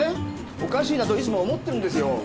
おかしいなといつも思ってるんですよ。